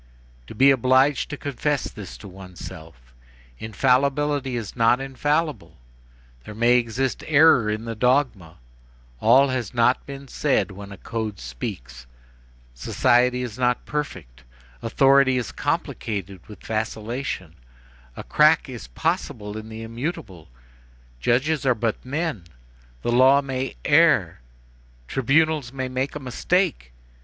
To be obliged to confess this to oneself: infallibility is not infallible, there may exist error in the dogma, all has not been said when a code speaks, society is not perfect, authority is complicated with vacillation, a crack is possible in the immutable, judges are but men, the law may err, tribunals may make a mistake!